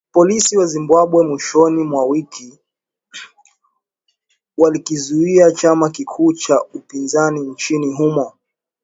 Polisi wa Zimbabwe mwishoni mwa wiki walikizuia chama kikuu cha upinzani nchini humo